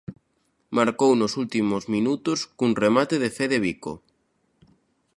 Marcou nos últimos minutos cun remate de Fede Vico.